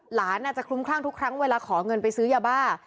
หลานอาจจะคลุ้มคลั่งทุกครั้งเวลาขอเงินไปซื้อยาบ้า